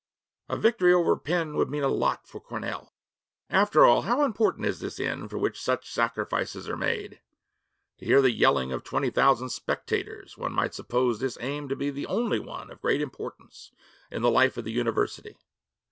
A victory over Penn would mean a lot for Cornell.' After all, how important is this end for which such sacrifices are made? To hear the yelling of twenty thousand spectators, one might suppose this aim to be the only one of great importance in the life of the university.